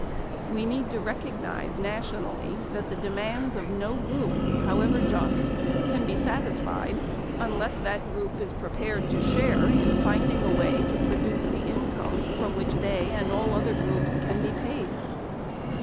"We need to recognize nationally that the demands of no group, however just, can be satisfied unless that group is prepared to share in finding a way to produce the income from which they and all other groups can be paid.